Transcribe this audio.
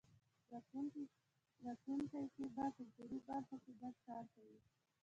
راتلونکی کې به کلتوري برخو کې ګډ کار کوی.